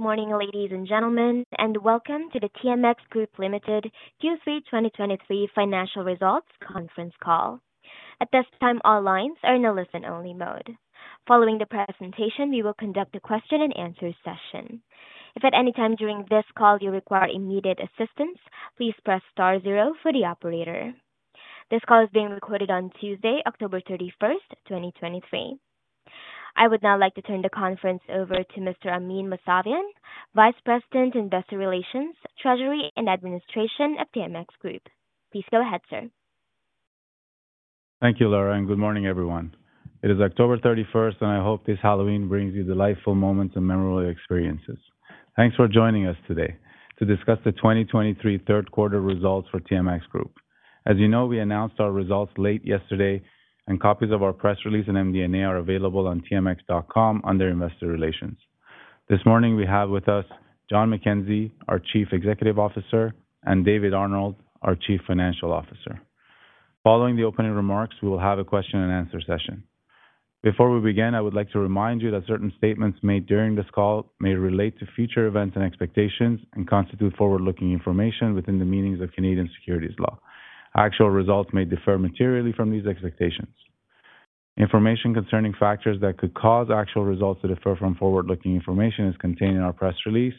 Good morning, ladies and gentlemen, and welcome to the TMX Group Limited Q3 2023 Financial Results Conference Call. At this time, all lines are in a listen-only mode. Following the presentation, we will conduct a question-and-answer session. If at any time during this call you require immediate assistance, please press star zero for the operator. This call is being recorded on Tuesday, October 31, 2023. I would now like to turn the conference over to Mr. Amin Mousavian, Vice President, Investor Relations, Treasury, and Administration of TMX Group. Please go ahead, sir. Thank you, Laura, and good morning, everyone. It is October 31st, and I hope this Halloween brings you delightful moments and memorable experiences. Thanks for joining us today to discuss the 2023 third quarter results for TMX Group. As you know, we announced our results late yesterday, and copies of our press release and MD&A are available on tmx.com under Investor Relations. This morning, we have with us John McKenzie, our Chief Executive Officer, and David Arnold, our Chief Financial Officer. Following the opening remarks, we will have a question-and-answer session. Before we begin, I would like to remind you that certain statements made during this call may relate to future events and expectations and constitute forward-looking information within the meanings of Canadian securities law. Actual results may differ materially from these expectations. Information concerning factors that could cause actual results to differ from forward-looking information is contained in our press release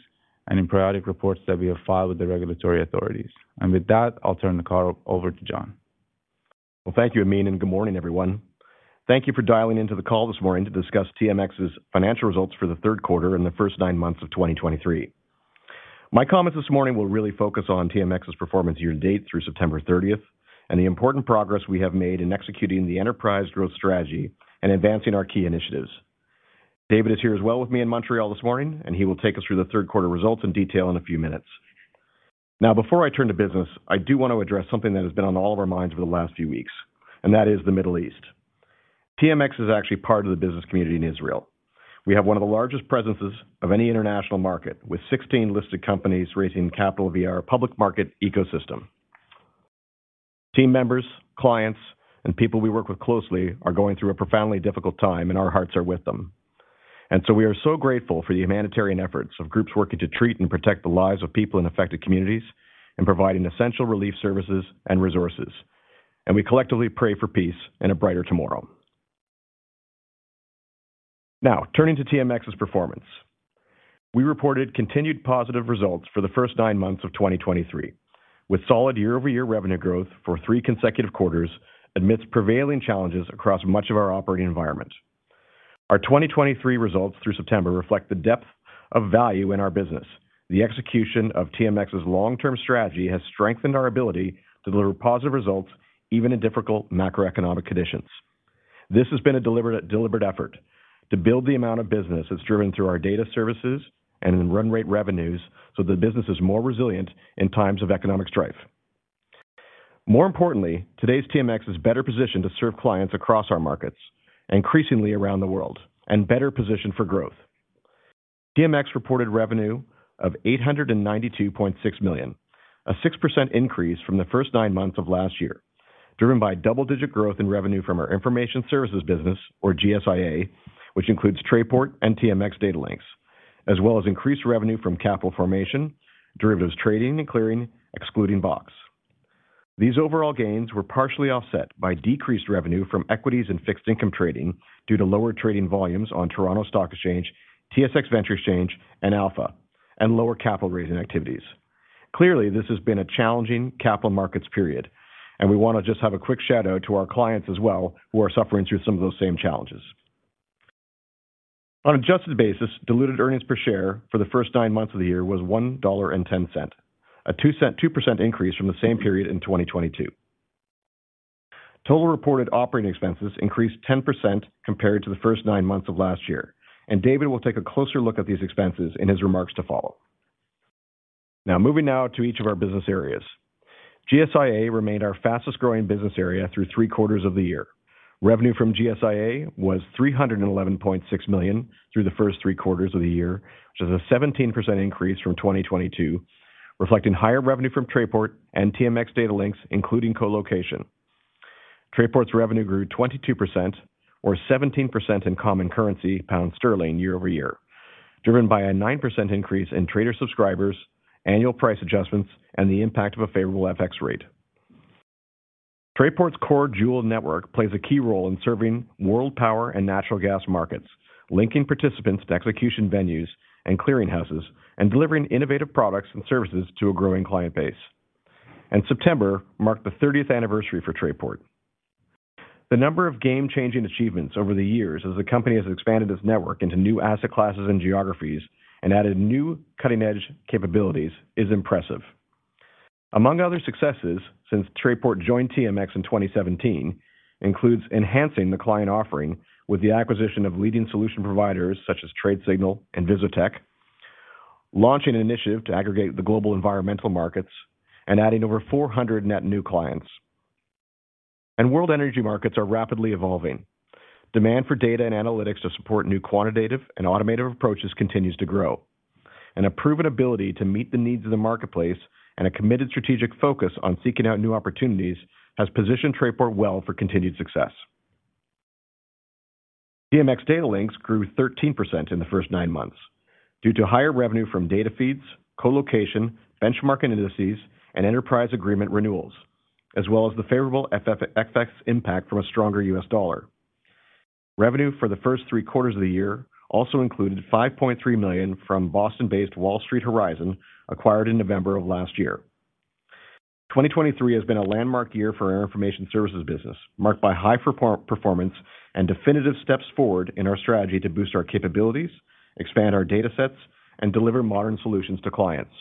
and in periodic reports that we have filed with the regulatory authorities. With that, I'll turn the call over to John. Well, thank you, Amin, and good morning, everyone. Thank you for dialing into the call this morning to discuss TMX's financial results for the third quarter and the first nine months of 2023. My comments this morning will really focus on TMX's performance year-to-date through September 30, and the important progress we have made in executing the enterprise growth strategy and advancing our key initiatives. David is here as well with me in Montreal this morning, and he will take us through the third quarter results in detail in a few minutes. Now, before I turn to business, I do want to address something that has been on all of our minds over the last few weeks, and that is the Middle East. TMX is actually part of the business community in Israel. We have one of the largest presences of any international market, with 16 listed companies raising capital via our public market ecosystem. Team members, clients, and people we work with closely are going through a profoundly difficult time, and our hearts are with them. So we are so grateful for the humanitarian efforts of groups working to treat and protect the lives of people in affected communities and providing essential relief services and resources. We collectively pray for peace and a brighter tomorrow. Now, turning to TMX's performance. We reported continued positive results for the first nine months of 2023, with solid year-over-year revenue growth for three consecutive quarters amidst prevailing challenges across much of our operating environment. Our 2023 results through September reflect the depth of value in our business. The execution of TMX's long-term strategy has strengthened our ability to deliver positive results, even in difficult macroeconomic conditions. This has been a deliberate effort to build the amount of business that's driven through our data services and in run rate revenues, so the business is more resilient in times of economic strife. More importantly, today's TMX is better positioned to serve clients across our markets, increasingly around the world, and better positioned for growth. TMX reported revenue of 892.6 million, a 6% increase from the first nine months of last year, driven by double-digit growth in revenue from our information services business, or GSIA, which includes Trayport and TMX Datalinx, as well as increased revenue from capital formation, derivatives trading and clearing, excluding BOX. These overall gains were partially offset by decreased revenue from equities and fixed income trading due to lower trading volumes on Toronto Stock Exchange, TSX Venture Exchange, and Alpha, and lower capital raising activities. Clearly, this has been a challenging capital markets period, and we want to just have a quick shout-out to our clients as well, who are suffering through some of those same challenges. On an adjusted basis, diluted earnings per share for the first nine months of the year was 1.10 dollar, a 2% increase from the same period in 2022. Total reported operating expenses increased 10% compared to the first nine months of last year, and David will take a closer look at these expenses in his remarks to follow. Now, moving to each of our business areas. GSIA remained our fastest-growing business area through three quarters of the year. Revenue from GSIA was 311.6 million through the first three quarters of the year, which is a 17% increase from 2022, reflecting higher revenue from Trayport and TMX Datalinx, including colocation. Trayport's revenue grew 22% or 17% in common currency, pound sterling, year-over-year, driven by a 9% increase in trader subscribers, annual price adjustments, and the impact of a favorable FX rate. Trayport's core Joule network plays a key role in serving world power and natural gas markets, linking participants to execution venues and clearinghouses, and delivering innovative products and services to a growing client base. September marked the 30th anniversary for Trayport. The number of game-changing achievements over the years as the company has expanded its network into new asset classes and geographies and added new cutting-edge capabilities, is impressive. Among other successes, since Trayport joined TMX in 2017, includes enhancing the client offering with the acquisition of leading solution providers such as Tradesignal and VisoTech, launching an initiative to aggregate the global environmental markets, and adding over 400 net new clients. World energy markets are rapidly evolving. Demand for data and analytics to support new quantitative and automated approaches continues to grow. A proven ability to meet the needs of the marketplace and a committed strategic focus on seeking out new opportunities has positioned Trayport well for continued success. TMX Datalinx grew 13% in the first nine months, due to higher revenue from data feeds, co-location, benchmark and indices, and enterprise agreement renewals, as well as the favorable FX impact from a stronger U.S. dollar. Revenue for the first three quarters of the year also included $5.3 million from Boston-based Wall Street Horizon, acquired in November of last year. 2023 has been a landmark year for our information services business, marked by high performance and definitive steps forward in our strategy to boost our capabilities, expand our data sets, and deliver modern solutions to clients.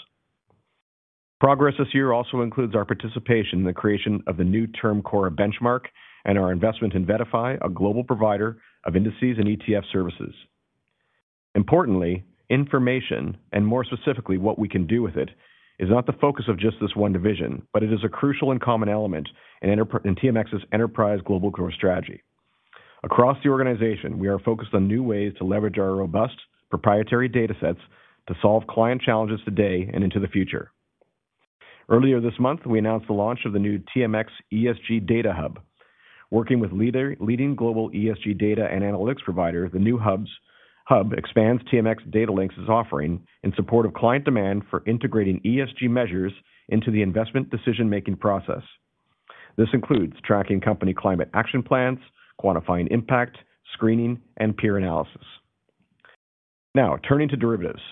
Progress this year also includes our participation in the creation of the new Term CORRA benchmark and our investment in VettaFi, a global provider of indices and ETF services. Importantly, information, and more specifically, what we can do with it, is not the focus of just this one division, but it is a crucial and common element in TMX's enterprise global growth strategy. Across the organization, we are focused on new ways to leverage our robust proprietary data sets to solve client challenges today and into the future. Earlier this month, we announced the launch of the new TMX ESG Data Hub. Working with leading global ESG data and analytics provider, the new hub expands TMX Datalinx's offering in support of client demand for integrating ESG measures into the investment decision-making process. This includes tracking company climate action plans, quantifying impact, screening, and peer analysis. Now, turning to derivatives.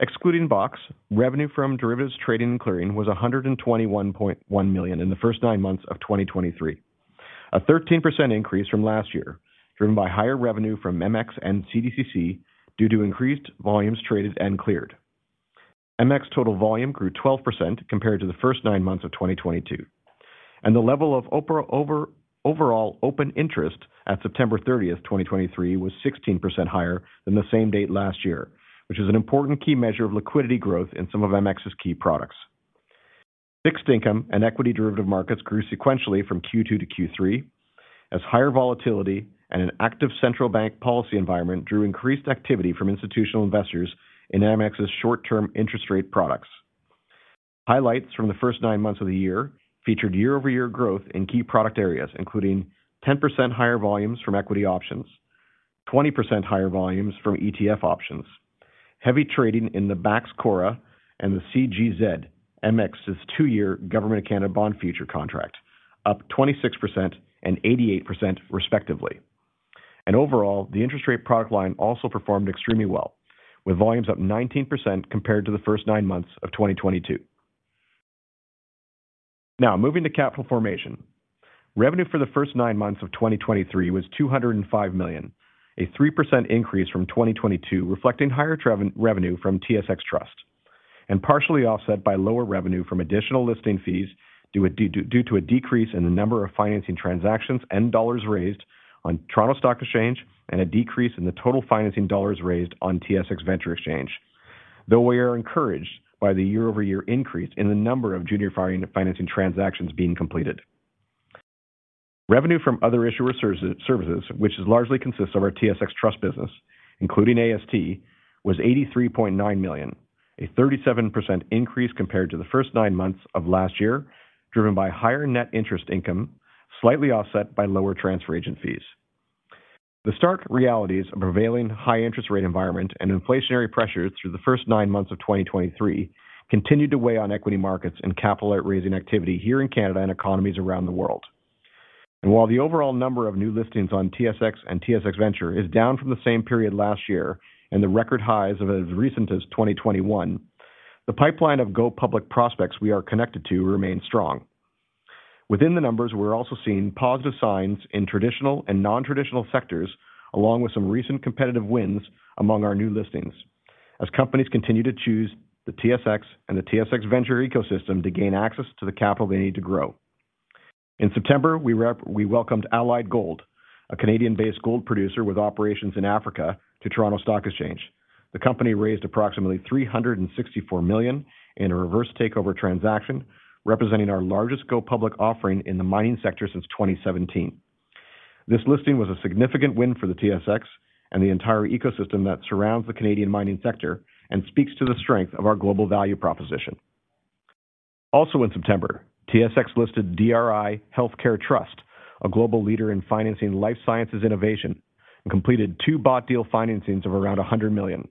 Excluding BOX, revenue from derivatives trading and clearing was 121.1 million in the first nine months of 2023. A 13% increase from last year, driven by higher revenue from MX and CDCC due to increased volumes traded and cleared. MX total volume grew 12% compared to the first nine months of 2022, and the level of overall open interest at September 30, 2023, was 16% higher than the same date last year, which is an important key measure of liquidity growth in some of MX's key products. Fixed income and equity derivative markets grew sequentially from Q2 to Q3, as higher volatility and an active central bank policy environment drew increased activity from institutional investors in MX's short-term interest rate products. Highlights from the first nine months of the year featured year-over-year growth in key product areas, including 10% higher volumes from equity options, 20% higher volumes from ETF options, heavy trading in the MX CORRA and the CGZ, MX's two-year Government of Canada bond future contract, up 26% and 88% respectively. Overall, the interest rate product line also performed extremely well, with volumes up 19% compared to the first nine months of 2022. Now, moving to capital formation. Revenue for the first nine months of 2023 was 205 million, a 3% increase from 2022, reflecting higher revenue from TSX Trust, and partially offset by lower revenue from additional listing fees due to a decrease in the number of financing transactions and dollars raised on Toronto Stock Exchange, and a decrease in the total financing dollars raised on TSX Venture Exchange. Though we are encouraged by the year-over-year increase in the number of junior financing transactions being completed. Revenue from other issuer services, which largely consists of our TSX Trust business, including AST, was 83.9 million, a 37% increase compared to the first nine months of last year, driven by higher net interest income, slightly offset by lower transfer agent fees. The stark realities of a prevailing high interest rate environment and inflationary pressures through the first nine months of 2023 continued to weigh on equity markets and capital outraising activity here in Canada and economies around the world. While the overall number of new listings on TSX and TSX Venture is down from the same period last year and the record highs of as recent as 2021, the pipeline of go public prospects we are connected to remains strong. Within the numbers, we're also seeing positive signs in traditional and non-traditional sectors, along with some recent competitive wins among our new listings, as companies continue to choose the TSX and the TSX Venture ecosystem to gain access to the capital they need to grow. In September, we welcomed Allied Gold, a Canadian-based gold producer with operations in Africa, to Toronto Stock Exchange. The company raised approximately 364 million in a reverse takeover transaction, representing our largest go public offering in the mining sector since 2017. This listing was a significant win for the TSX and the entire ecosystem that surrounds the Canadian mining sector and speaks to the strength of our global value proposition. Also in September, TSX listed DRI Healthcare Trust, a global leader in financing life sciences innovation, and completed two bought deal financings of around 100 million.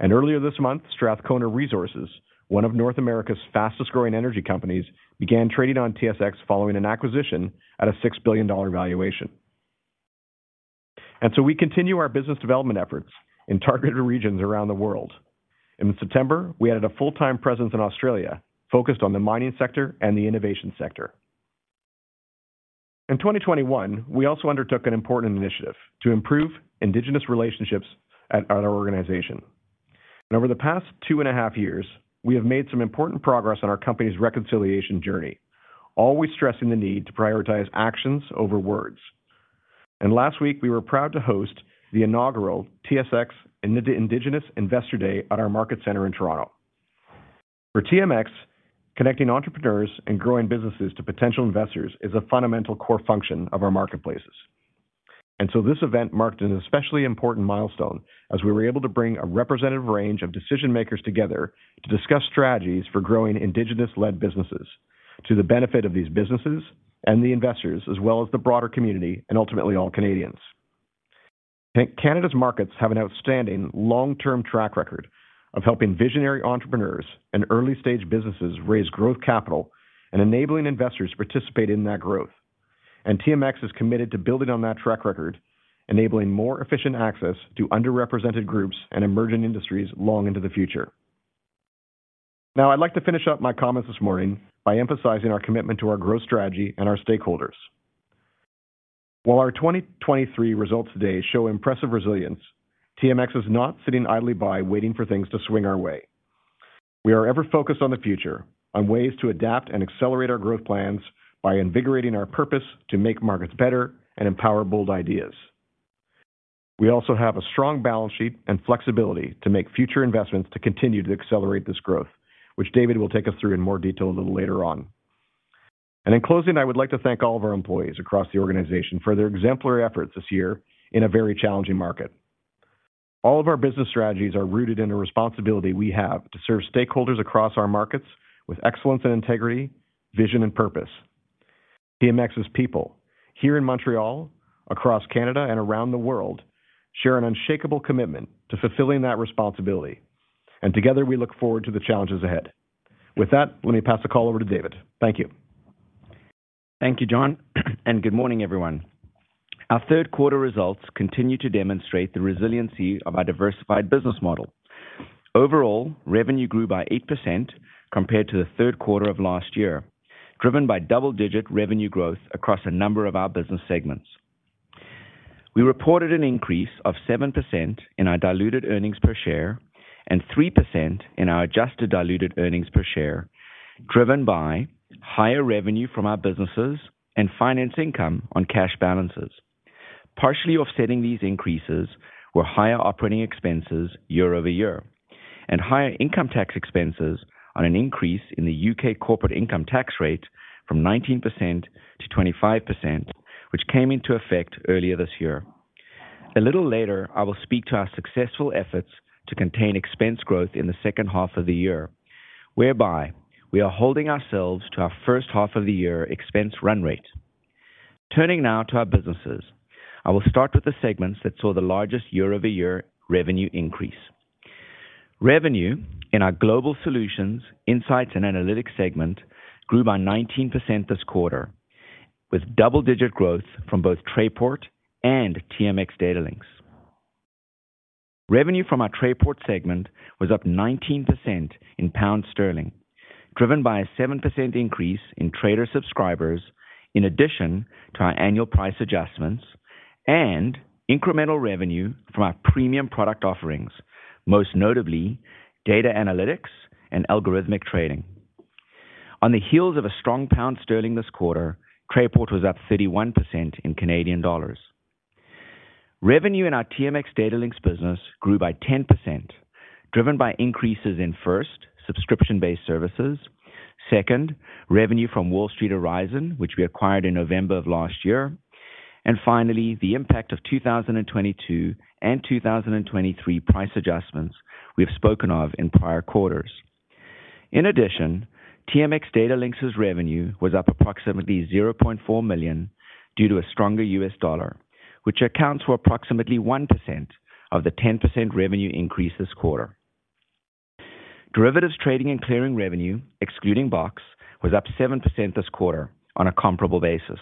Earlier this month, Strathcona Resources, one of North America's fastest growing energy companies, began trading on TSX following an acquisition at a 6 billion dollar valuation. So we continue our business development efforts in targeted regions around the world. In September, we added a full-time presence in Australia, focused on the mining sector and the innovation sector. In 2021, we also undertook an important initiative to improve Indigenous relationships at our organization. Over the past two and a half years, we have made some important progress on our company's reconciliation journey, always stressing the need to prioritize actions over words. Last week, we were proud to host the inaugural TSX Indigenous Investor Day at our market center in Toronto. For TMX, connecting entrepreneurs and growing businesses to potential investors is a fundamental core function of our marketplaces. So this event marked an especially important milestone as we were able to bring a representative range of decision-makers together to discuss strategies for growing Indigenous-led businesses, to the benefit of these businesses and the investors, as well as the broader community and ultimately all Canadians. Canada's markets have an outstanding long-term track record of helping visionary entrepreneurs and early-stage businesses raise growth capital and enabling investors to participate in that growth. TMX is committed to building on that track record, enabling more efficient access to underrepresented groups and emerging industries long into the future. Now, I'd like to finish up my comments this morning by emphasizing our commitment to our growth strategy and our stakeholders. While our 2023 results today show impressive resilience, TMX is not sitting idly by waiting for things to swing our way. We are ever focused on the future, on ways to adapt and accelerate our growth plans by invigorating our purpose to make markets better and empower bold ideas. We also have a strong balance sheet and flexibility to make future investments to continue to accelerate this growth, which David will take us through in more detail a little later on. In closing, I would like to thank all of our employees across the organization for their exemplary efforts this year in a very challenging market. All of our business strategies are rooted in a responsibility we have to serve stakeholders across our markets with excellence and integrity, vision, and purpose. TMX's people, here in Montreal, across Canada, and around the world, share an unshakable commitment to fulfilling that responsibility, and together, we look forward to the challenges ahead. With that, let me pass the call over to David. Thank you. Thank you, John, and good morning, everyone. Our third quarter results continue to demonstrate the resiliency of our diversified business model. Overall, revenue grew by 8% compared to the third quarter of last year, driven by double-digit revenue growth across a number of our business segments. We reported an increase of 7% in our diluted earnings per share and 3% in our adjusted diluted earnings per share, driven by higher revenue from our businesses and finance income on cash balances. Partially offsetting these increases were higher operating expenses year-over-year, and higher income tax expenses on an increase in the U.K. corporate income tax rate from 19% to 25%, which came into effect earlier this year. A little later, I will speak to our successful efforts to contain expense growth in the second half of the year, whereby we are holding ourselves to our first half of the year expense run rate. Turning now to our businesses, I will start with the segments that saw the largest year-over-year revenue increase. Revenue in our Global Solutions, Insights, and Analytics segment grew by 19% this quarter, with double-digit growth from both Trayport and TMX Datalinx. Revenue from our Trayport segment was up 19% in pound sterling, driven by a 7% increase in trader subscribers in addition to our annual price adjustments and incremental revenue from our premium product offerings, most notably data analytics and algorithmic trading. On the heels of a strong pound sterling this quarter, Trayport was up 31% in Canadian dollars. Revenue in our TMX Datalinx business grew by 10%, driven by increases in, first, subscription-based services, second, revenue from Wall Street Horizon, which we acquired in November of last year, and finally, the impact of 2022 and 2023 price adjustments we've spoken of in prior quarters. In addition, TMX Datalinx's revenue was up approximately 0.4 million due to a stronger U.S. dollar, which accounts for approximately 1% of the 10% revenue increase this quarter. Derivatives trading and clearing revenue, excluding BOX, was up 7% this quarter on a comparable basis.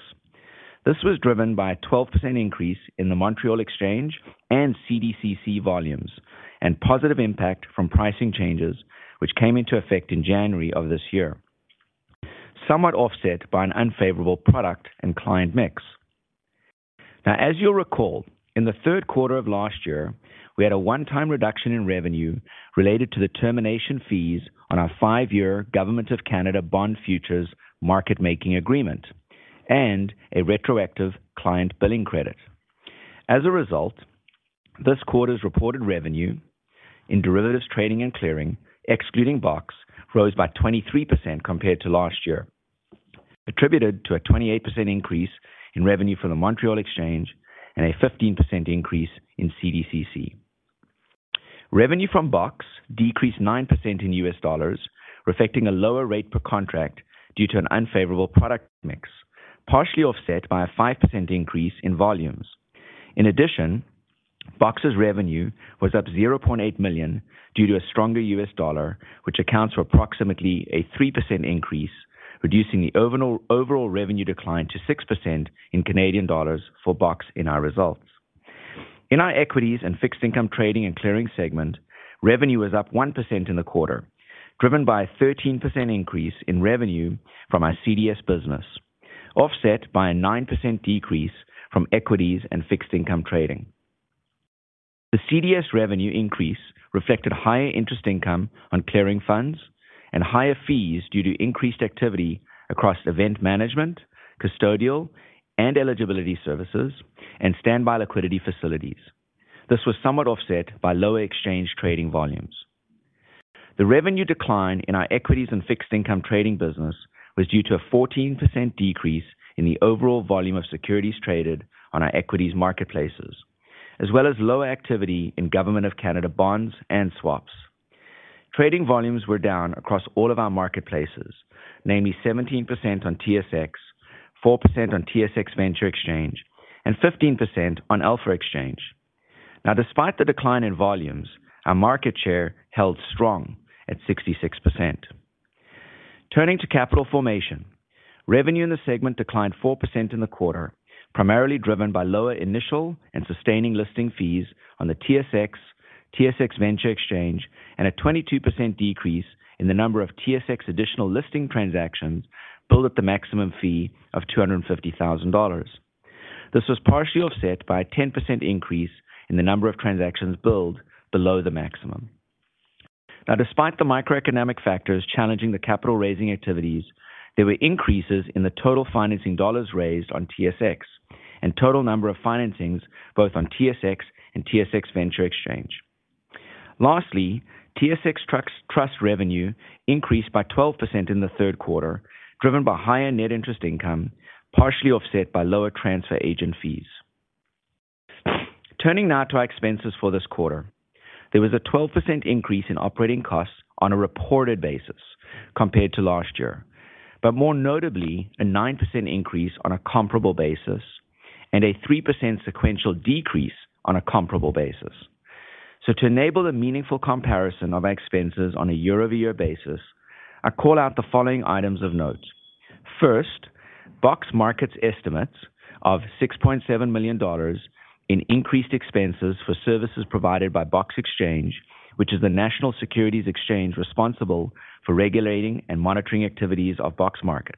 This was driven by a 12% increase in the Montréal Exchange and CDCC volumes and positive impact from pricing changes, which came into effect in January of this year, somewhat offset by an unfavorable product and client mix. Now, as you'll recall, in the third quarter of last year, we had a one-time reduction in revenue related to the termination fees on our five-year Government of Canada Bond Futures market making agreement and a retroactive client billing credit. As a result, this quarter's reported revenue in derivatives trading and clearing, excluding BOX, rose by 23% compared to last year, attributed to a 28% increase in revenue from the Montréal Exchange and a 15% increase in CDCC. Revenue from BOX decreased 9% in U.S. dollars, reflecting a lower rate per contract due to an unfavorable product mix, partially offset by a 5% increase in volumes. In addition, BOX's revenue was up $0.8 million due to a stronger US dollar, which accounts for approximately a 3% increase, reducing the overall revenue decline to 6% in Canadian dollars for BOX in our results. In our equities and fixed income trading and clearing segment, revenue was up 1% in the quarter, driven by a 13% increase in revenue from our CDS business, offset by a 9% decrease from equities and fixed income trading. The CDS revenue increase reflected higher interest income on clearing funds and higher fees due to increased activity across event management, custodial and eligibility services, and standby liquidity facilities. This was somewhat offset by lower exchange trading volumes. The revenue decline in our equities and fixed income trading business was due to a 14% decrease in the overall volume of securities traded on our equities marketplaces.... As well as lower activity in Government of Canada bonds and swaps. Trading volumes were down across all of our marketplaces, namely 17% on TSX, 4% on TSX Venture Exchange, and 15% on Alpha Exchange. Now, despite the decline in volumes, our market share held strong at 66%. Turning to capital formation. Revenue in the segment declined 4% in the quarter, primarily driven by lower initial and sustaining listing fees on the TSX, TSX Venture Exchange, and a 22% decrease in the number of TSX additional listing transactions billed at the maximum fee of 250,000 dollars. This was partially offset by a 10% increase in the number of transactions billed below the maximum. Now, despite the microeconomic factors challenging the capital raising activities, there were increases in the total financing dollars raised on TSX and total number of financings both on TSX and TSX Venture Exchange. Lastly, TSX Trust revenue increased by 12% in the third quarter, driven by higher net interest income, partially offset by lower transfer agent fees. Turning now to our expenses for this quarter. There was a 12% increase in operating costs on a reported basis compared to last year, but more notably, a 9% increase on a comparable basis and a 3% sequential decrease on a comparable basis. So to enable a meaningful comparison of our expenses on a year-over-year basis, I call out the following items of note. First, BOX Markets estimates of 6.7 million dollars in increased expenses for services provided by BOX Exchange, which is the National Securities Exchange responsible for regulating and monitoring activities of BOX Market.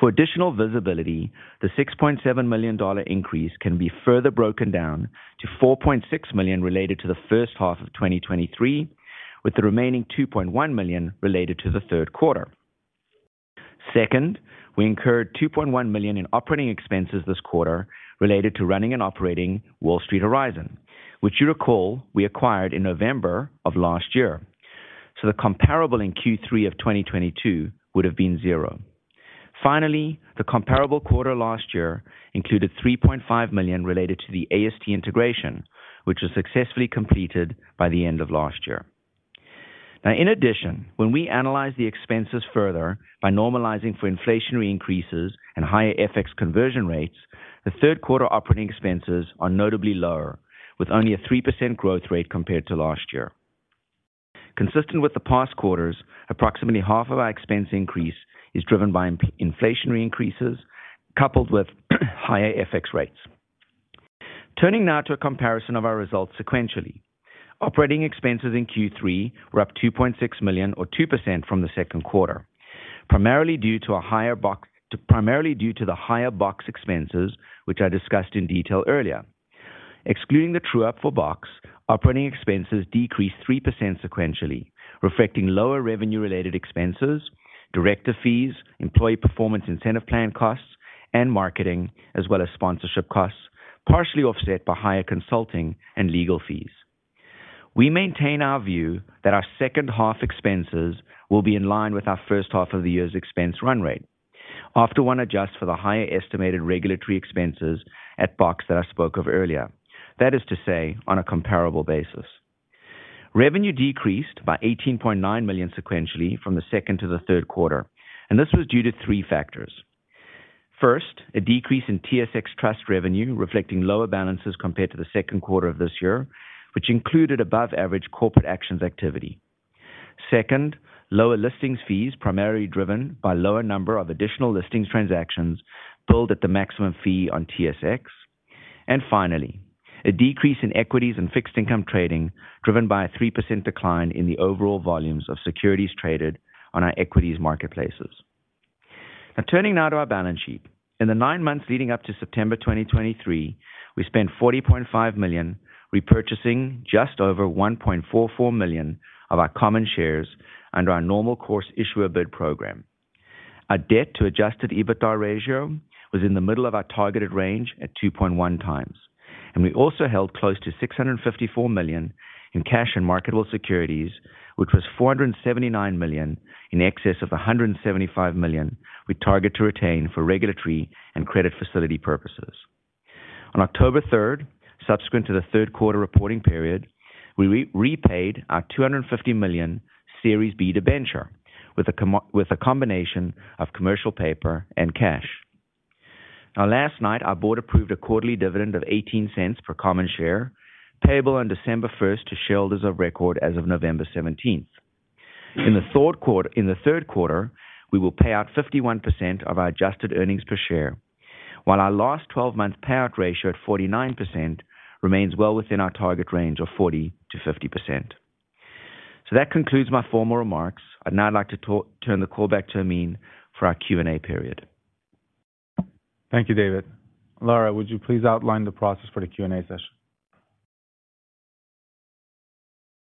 For additional visibility, the 6.7 million dollar increase can be further broken down to 4.6 million related to the first half of 2023, with the remaining 2.1 million related to the third quarter. Second, we incurred 2.1 million in operating expenses this quarter related to running and operating Wall Street Horizon, which you recall, we acquired in November of last year. So the comparable in Q3 of 2022 would have been zero. Finally, the comparable quarter last year included 3.5 million related to the AST integration, which was successfully completed by the end of last year. Now, in addition, when we analyze the expenses further by normalizing for inflationary increases and higher FX conversion rates, the third quarter operating expenses are notably lower, with only a 3% growth rate compared to last year. Consistent with the past quarters, approximately half of our expense increase is driven by in-inflationary increases, coupled with higher FX rates. Turning now to a comparison of our results sequentially. Operating expenses in Q3 were up 2.6 million, or 2% from the second quarter, primarily due to higher BOX expenses, which I discussed in detail earlier. Excluding the true-up for BOX, operating expenses decreased 3% sequentially, reflecting lower revenue-related expenses, director fees, employee performance incentive plan costs and marketing, as well as sponsorship costs, partially offset by higher consulting and legal fees. We maintain our view that our second half expenses will be in line with our first half of the year's expense run rate, after one adjusts for the higher estimated regulatory expenses at BOX that I spoke of earlier. That is to say, on a comparable basis. Revenue decreased by 18.9 million sequentially from the second to the third quarter, and this was due to three factors. First, a decrease in TSX Trust revenue, reflecting lower balances compared to the second quarter of this year, which included above-average corporate actions activity. Second, lower listings fees, primarily driven by lower number of additional listings transactions billed at the maximum fee on TSX. And finally, a decrease in equities and fixed income trading, driven by a 3% decline in the overall volumes of securities traded on our equities marketplaces. Now, turning now to our balance sheet. In the nine months leading up to September 2023, we spent 40.5 million repurchasing just over 1.44 million of our common shares under our normal course issuer bid program. Our debt to adjusted EBITDA ratio was in the middle of our targeted range at 2.1x, and we also held close to 654 million in cash and marketable securities, which was 479 million in excess of 175 million we target to retain for regulatory and credit facility purposes. On October 3rd, subsequent to the third quarter reporting period, we repaid our 250 million Series B debenture with a combination of commercial paper and cash. Now, last night, our board approved a quarterly dividend of 0.18 per common share, payable on December 1st to shareholders of record as of November 17th. In the third quarter, in the third quarter, we will pay out 51% of our adjusted earnings per share, while our last 12 months payout ratio at 49% remains well within our target range of 40%-50%. So that concludes my formal remarks. I'd now like to turn the call back to Amin for our Q&A period. Thank you, David. Laura, would you please outline the process for the Q&A session?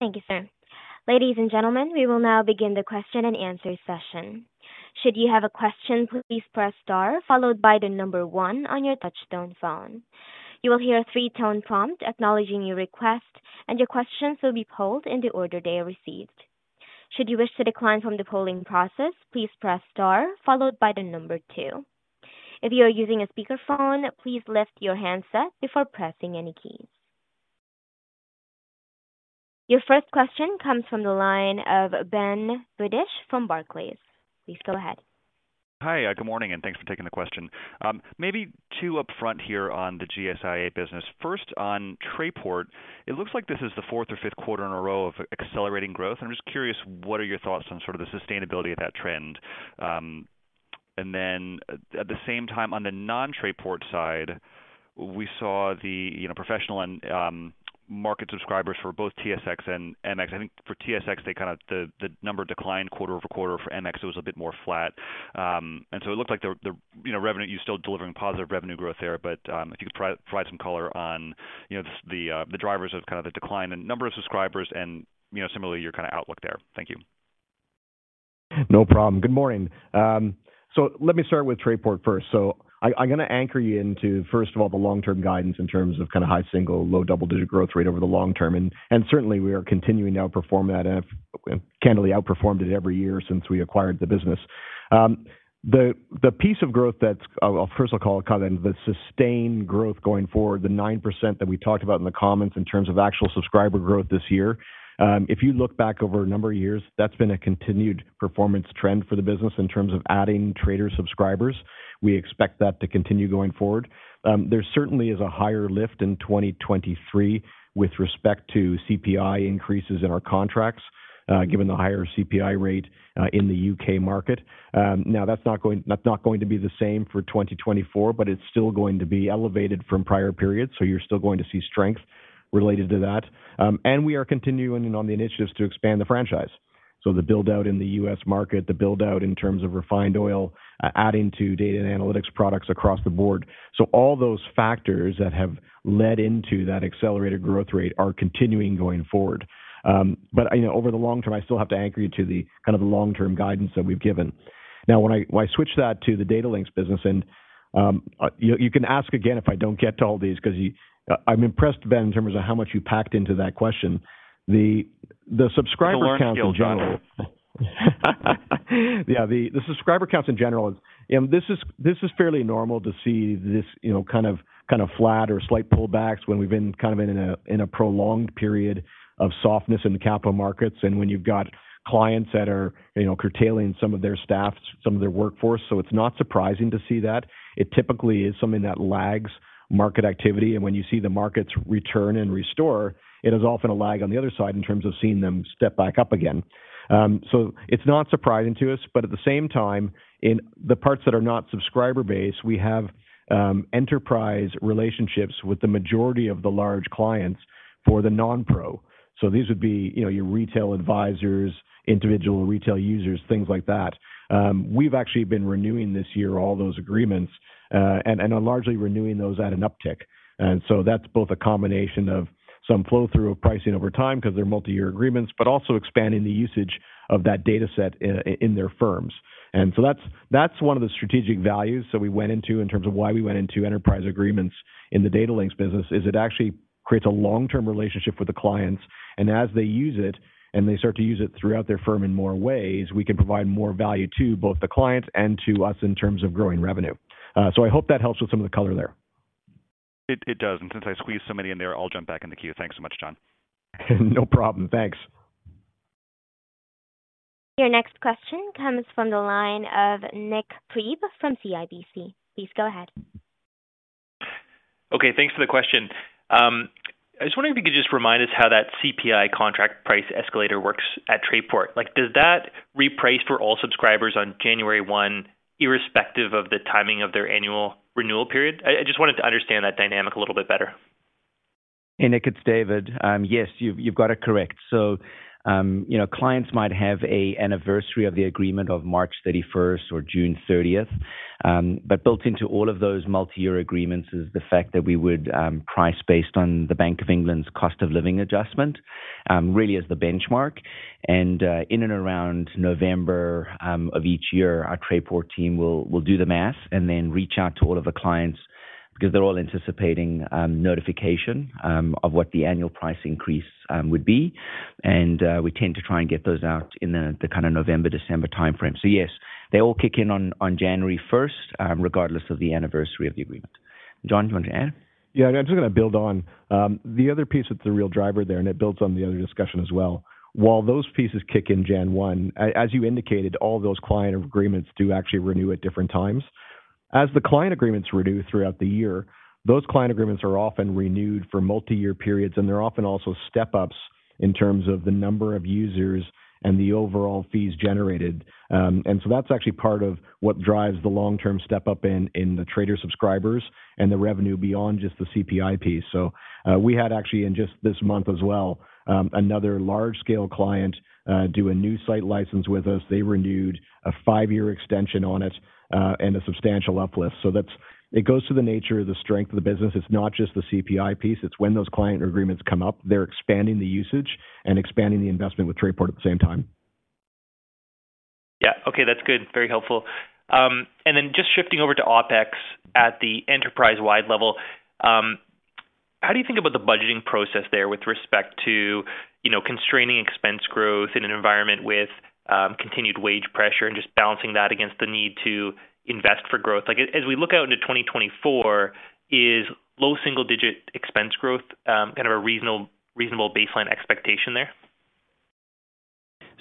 Thank you, sir. Ladies and gentlemen, we will now begin the question and answer session. Should you have a question, please press star followed by the number one on your touchtone phone. You will hear a three-tone prompt acknowledging your request, and your questions will be polled in the order they are received. Should you wish to decline from the polling process, please press star followed by the number two. If you are using a speakerphone, please lift your handset before pressing any keys. Your first question comes from the line of Ben Budish from Barclays. Please go ahead. Hi, good morning, and thanks for taking the question. Maybe two upfront here on the GSIA business. First, on Trayport, it looks like this is the fourth or fifth quarter in a row of accelerating growth. I'm just curious, what are your thoughts on sort of the sustainability of that trend? And then at the same time, on the non-Trayport side, we saw the, you know, professional and market subscribers for both TSX and MX. I think for TSX, they kind of the, the number declined quarter over quarter. For MX, it was a bit more flat. And so it looked like the, you know, revenue, you're still delivering positive revenue growth there, but if you could provide some color on, you know, the drivers of kind of the decline in the number of subscribers and, you know, similarly, your kind of outlook there. Thank you. No problem. Good morning. So let me start with Trayport first. So I, I'm going to anchor you into, first of all, the long-term guidance in terms of kind of high single-digit, low double-digit growth rate over the long term. And certainly we are continuing to outperform that and candidly outperformed it every year since we acquired the business. The piece of growth that's—I'll, first of all, call it kind of the sustained growth going forward, the 9% that we talked about in the comments in terms of actual subscriber growth this year. If you look back over a number of years, that's been a continued performance trend for the business in terms of adding trader subscribers. We expect that to continue going forward. There certainly is a higher lift in 2023 with respect to CPI increases in our contracts, given the higher CPI rate, in the U.K. market. Now, that's not going, that's not going to be the same for 2024, but it's still going to be elevated from prior periods, so you're still going to see strength related to that. We are continuing on the initiatives to expand the franchise. The build-out in the U.S. market, the build-out in terms of refined oil, adding to data and analytics products across the board. All those factors that have led into that accelerated growth rate are continuing going forward. You know, over the long term, I still have to anchor you to the kind of the long-term guidance that we've given. Now, when I switch that to the Datalinx business, and you can ask again if I don't get to all these, because you- I'm impressed, Ben, in terms of how much you packed into that question. The subscriber counts in general- Yeah, the subscriber counts in general, this is fairly normal to see this, you know, kind of flat or slight pullbacks when we've been kind of in a prolonged period of softness in the capital markets, and when you've got clients that are, you know, curtailing some of their staff, some of their workforce. So it's not surprising to see that. It typically is something that lags market activity, and when you see the markets return and restore, it is often a lag on the other side in terms of seeing them step back up again. So it's not surprising to us, but at the same time, in the parts that are not subscriber base, we have enterprise relationships with the majority of the large clients for the non-pro. So these would be, you know, your retail advisors, individual retail users, things like that. We've actually been renewing this year, all those agreements, and are largely renewing those at an uptick. And so that's both a combination of some flow-through of pricing over time, because they're multi-year agreements, but also expanding the usage of that data set in their firms. And so that's, that's one of the strategic values that we went into in terms of why we went into enterprise agreements in the Datalinx business, is it actually creates a long-term relationship with the clients, and as they use it, and they start to use it throughout their firm in more ways, we can provide more value to both the clients and to us in terms of growing revenue. So I hope that helps with some of the color there. It does and since I squeezed so many in there, I'll jump back in the queue. Thanks so much, John. No problem. Thanks. Your next question comes from the line of Nik Priebe from CIBC. Please go ahead. Okay, thanks for the question. I was wondering if you could just remind us how that CPI contract price escalator works at Trayport. Like, does that reprice for all subscribers on January 1, irrespective of the timing of their annual renewal period? I just wanted to understand that dynamic a little bit better. Hey, Nick, it's David. Yes, you've, you've got it correct. So, you know, clients might have an anniversary of the agreement of March 31st or June 30th, but built into all of those multi-year agreements is the fact that we would price based on the Bank of England's cost of living adjustment, really as the benchmark. And, in and around November of each year, our Trayport team will, will do the math and then reach out to all of the clients because they're all anticipating notification of what the annual price increase would be. And, we tend to try and get those out in the kind of November, December timeframe. So yes, they all kick in on January 1st, regardless of the anniversary of the agreement. John, do you want to add? Yeah, I'm just going to build on the other piece that's the real driver there, and it builds on the other discussion as well. While those pieces kick in January 1, as you indicated, all those client agreements do actually renew at different times. As the client agreements renew throughout the year, those client agreements are often renewed for multi-year periods, and they're often also step-ups in terms of the number of users and the overall fees generated. And so that's actually part of what drives the long-term step-up in the trader subscribers and the revenue beyond just the CPI piece. So, we had actually, in just this month as well, another large-scale client do a new site license with us. They renewed a five-year extension on it, and a substantial uplift. So that's it goes to the nature of the strength of the business. It's not just the CPI piece. It's when those client agreements come up, they're expanding the usage and expanding the investment with Trayport at the same time. Yeah. Okay, that's good. Very helpful. And then just shifting over to OpEx at the enterprise-wide level, how do you think about the budgeting process there with respect to, you know, constraining expense growth in an environment with continued wage pressure and just balancing that against the need to invest for growth? Like, as we look out into 2024, is low single digit expense growth kind of a reasonable, reasonable baseline expectation there?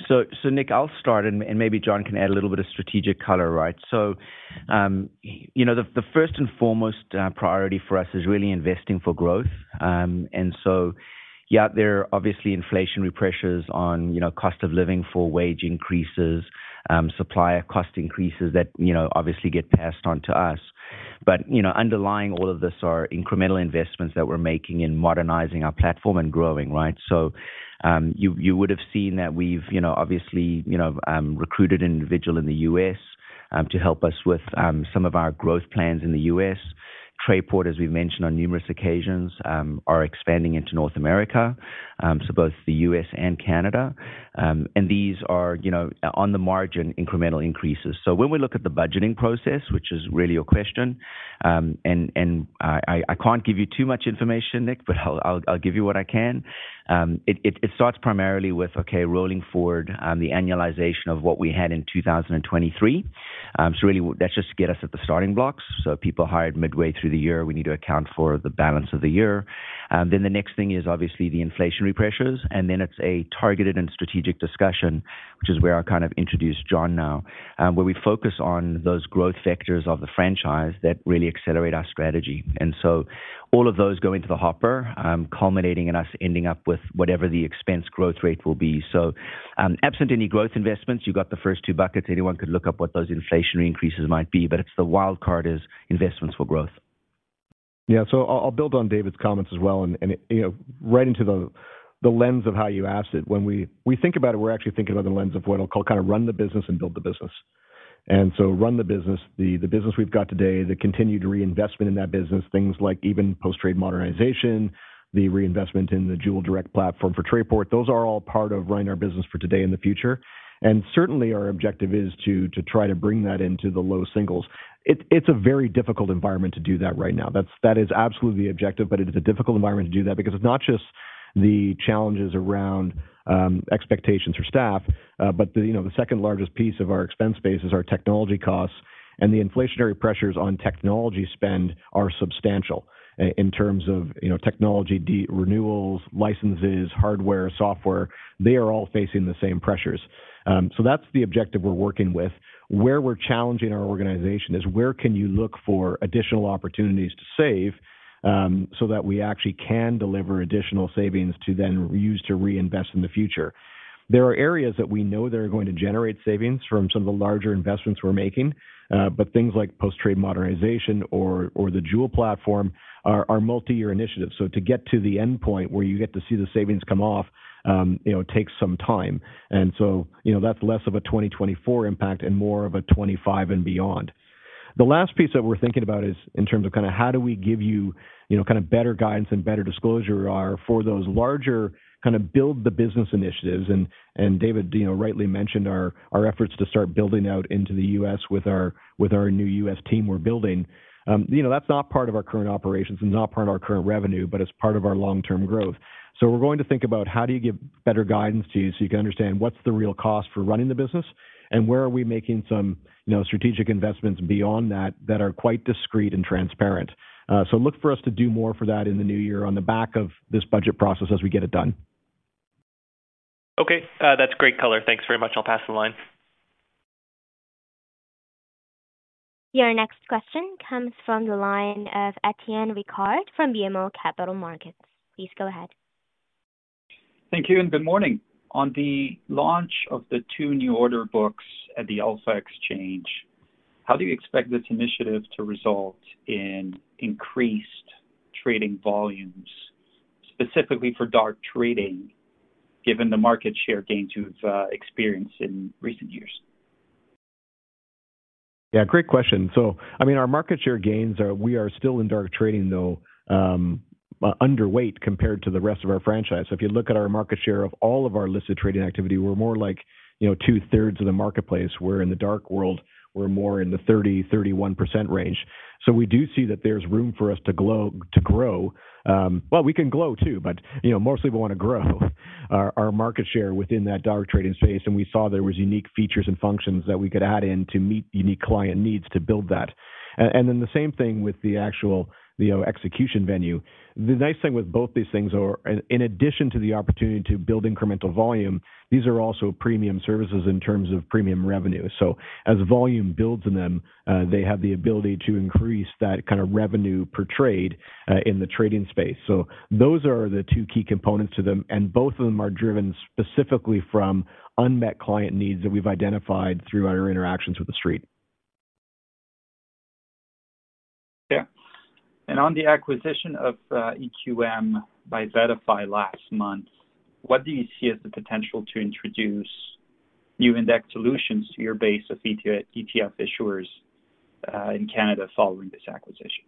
So, Nik, I'll start, and maybe John can add a little bit of strategic color, right? So, you know, the first and foremost priority for us is really investing for growth. And so, yeah, there are obviously inflationary pressures on, you know, cost of living for wage increases, supplier cost increases that, you know, obviously get passed on to us. But, you know, underlying all of this are incremental investments that we're making in modernizing our platform and growing, right? So, you would have seen that we've, you know, obviously, you know, recruited an individual in the U.S., to help us with some of our growth plans in the U.S. Trayport, as we've mentioned on numerous occasions, are expanding into North America, so both the U.S. and Canada. These are, you know, on the margin, incremental increases. So when we look at the budgeting process, which is really your question, and I can't give you too much information, Nick, but I'll give you what I can. It starts primarily with okay, rolling forward on the annualization of what we had in 2023. So really, that's just to get us at the starting blocks. So people hired midway through the year, we need to account for the balance of the year. And then the next thing is obviously the inflationary pressures, and then it's a targeted and strategic discussion, which is where I kind of introduce John now, where we focus on those growth vectors of the franchise that really accelerate our strategy. And so all of those go into the hopper, culminating in us ending up with whatever the expense growth rate will be. So, absent any growth investments, you got the first two buckets. Anyone could look up what those inflationary increases might be, but it's the wild card is investments for growth. Yeah. So I'll build on David's comments as well, and you know, right into the lens of how you asked it. When we think about it, we're actually thinking about the lens of what I'll call kind of run the business and build the business. And so run the business, the business we've got today, the continued reinvestment in that business, things like even post-trade modernization, the reinvestment in the Joule direct platform for Trayport, those are all part of running our business for today and the future. And certainly our objective is to try to bring that into the low singles. It's a very difficult environment to do that right now. That's, that is absolutely the objective, but it is a difficult environment to do that because it's not just the challenges around expectations for staff, but, you know, the second largest piece of our expense base is our technology costs, and the inflationary pressures on technology spend are substantial. In terms of, you know, technology renewals, licenses, hardware, software, they are all facing the same pressures. So that's the objective we're working with. Where we're challenging our organization is where can you look for additional opportunities to save, so that we actually can deliver additional savings to then use to reinvest in the future? There are areas that we know that are going to generate savings from some of the larger investments we're making, but things like post-trade modernization or the Joule platform are multi-year initiatives. So to get to the endpoint where you get to see the savings come off, you know, takes some time and so, you know, that's less of a 2024 impact and more of a 2025 and beyond. The last piece that we're thinking about is in terms of kind of how do we give you, you know, kind of better guidance and better disclosure are for those larger kind of build the business initiatives. And, and David, you know, rightly mentioned our, our efforts to start building out into the U.S. with our, with our new U.S. team we're building. You know, that's not part of our current operations and not part of our current revenue, but it's part of our long-term growth. We're going to think about how do you give better guidance to you so you can understand what's the real cost for running the business, and where are we making some, you know, strategic investments beyond that, that are quite discreet and transparent. Look for us to do more for that in the new year on the back of this budget process as we get it done. Okay, that's great color. Thanks very much. I'll pass the line. Your next question comes from the line of Étienne Ricard from BMO Capital Markets. Please go ahead. Thank you and good morning. On the launch of the two new order books at the Alpha Exchange, how do you expect this initiative to result in increased trading volumes, specifically for dark trading, given the market share gains you've experienced in recent years? Yeah, great question. So I mean, our market share gains are, we are still in dark trading, though, underweight compared to the rest of our franchise. So if you look at our market share of all of our listed trading activity, we're more like, you know, two-thirds of the marketplace, where in the dark world, we're more in the 30%-31% range. So we do see that there's room for us to glow, to grow. Well, we can glow too, but, you know, mostly we want to grow our, our market share within that dark trading space, and we saw there was unique features and functions that we could add in to meet unique client needs to build that. And, and then the same thing with the actual, you know, execution venue. The nice thing with both these things are, in addition to the opportunity to build incremental volume, these are also premium services in terms of premium revenue. So as volume builds in them, they have the ability to increase that kind of revenue per trade, in the trading space. So those are the two key components to them, and both of them are driven specifically from unmet client needs that we've identified through our interactions with The Street. Yeah. And on the acquisition of EQM by VettaFi last month, what do you see as the potential to introduce new index solutions to your base of ETF, ETF issuers in Canada following this acquisition?...